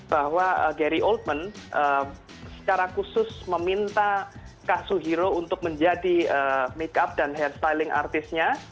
bahwa gary oldman secara khusus meminta kazuhiro untuk menjadi makeup dan hairstyling artisnya